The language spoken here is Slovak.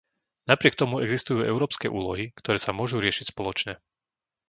Napriek tomu existujú európske úlohy, ktoré sa môžu riešiť spoločne.